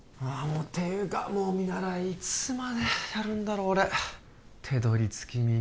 もうていうかもう見習いいつまでやるんだろ俺手取り月２０万